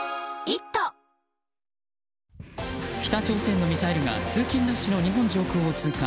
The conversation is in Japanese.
北朝鮮のミサイルが通勤ラッシュの日本上空を通過。